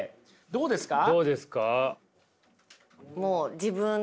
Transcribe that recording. どうですか？